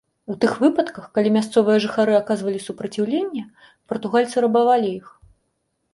У тых выпадках, калі мясцовыя жыхары аказвалі супраціўленне, партугальцы рабавалі іх.